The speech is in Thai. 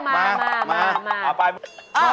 มามีมาครับครับมาเอาไป